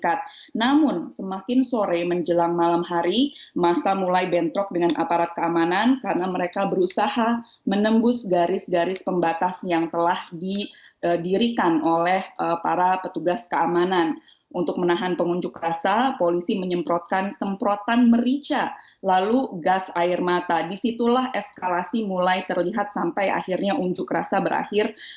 itu adalah video yang diambil di sosial media yang memberikan informasi bahwa masa tidak pernah berhasil memasuki dan merusak gedung putih itu tidak pernah terjadi